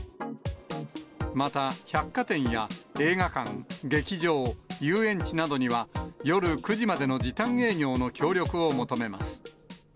また、百貨店や映画館、劇場、遊園地などには、夜９時までの時短営業の協力を求めます。